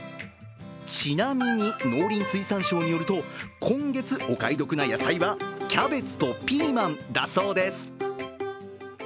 ちなみに、農林水産省によると今月お買い得な野菜は、キャベツとピーマンだそうです。